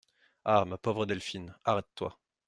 Ah ! ma pauvre Delphine, arrête-toi.